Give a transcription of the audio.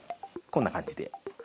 こんな感じで。